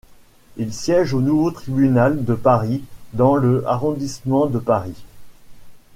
Il siège au nouveau tribunal de Paris, dans le arrondissement de Paris.